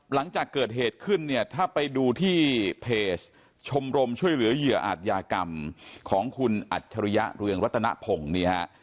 หลังจากเกิดเหตุขึ้นเนี่ยถ้าไปดูที่เพจชมรมช่วยเหลือเหยื่ออาจยากรรมของคุณอัจฉริยะเรืองรัตนพงศ์เนี่ยฮะ